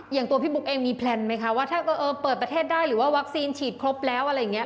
อย่างตัวพี่บุ๊กเองมีแพลนไหมคะว่าถ้าเปิดประเทศได้หรือว่าวัคซีนฉีดครบแล้วอะไรอย่างนี้